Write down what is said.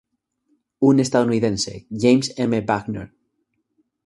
Un estadounidense: James M. Wagner.